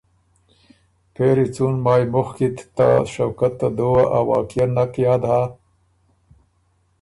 پېری څُون مای مُخکی ت ته شوکت ته دُوه ا واقعه نک یاد هۀ